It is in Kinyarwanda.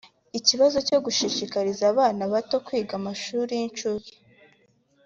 Ikibazo cyo gushishikariza abana bato kwiga mashuri y’ ncuke